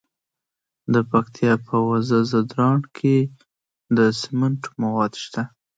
د پکتیا په وزه ځدراڼ کې د سمنټو مواد شته.